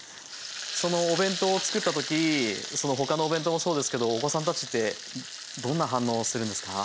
そのお弁当を作った時そのほかのお弁当もそうですけどお子さんたちってどんな反応するんですか？